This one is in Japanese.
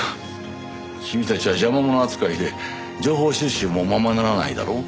君たちは邪魔者扱いで情報収集もままならないだろう？